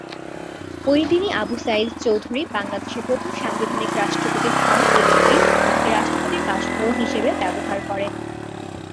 ওই দিনই আবু সাইদ চৌধুরী বাংলাদেশের প্রথম সাংবিধানিক রাষ্ট্রপতি হন এবং এ স্থানকে রাষ্ট্রপতির বাসভবন হিসেবে ব্যবহার করেন।